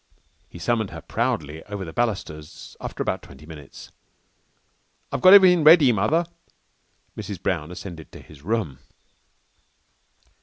He summoned her proudly over the balusters after about twenty minutes. "I've got everythin' ready, Mother." Mrs. Brown ascended to his room.